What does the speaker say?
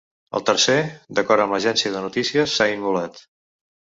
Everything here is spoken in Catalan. El tercer, d’acord amb l’agència de notícies, s’ha immolat.